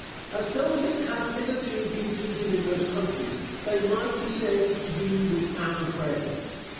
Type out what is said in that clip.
As soldiers have hitherto been treated in most countries, they might be said to be without a friend.